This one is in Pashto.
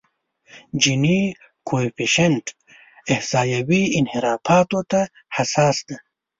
جیني کویفشینټ احصایوي انحرافاتو ته حساس دی.